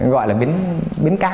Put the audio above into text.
gọi là bến cá